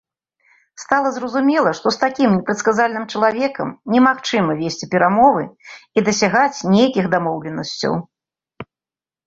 Стала зразумела, што з такім непрадказальным чалавекам немагчыма весці перамовы і дасягаць нейкіх дамоўленасцяў.